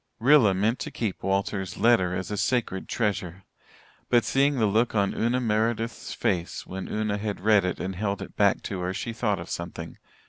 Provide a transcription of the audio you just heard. Rilla meant to keep Walter's letter as a a sacred treasure. But, seeing the look on Una Meredith's face when Una had read it and held it back to her, she thought of something.